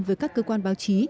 với các cơ quan báo chí